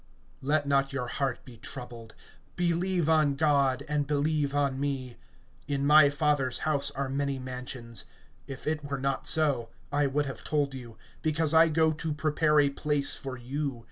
XIV. LET not your heart be troubled. Believe on God, and believe on me[14:1]. (2)In my Father's house are many mansions; if it were not so, I would have told you; because I go to prepare a place for you.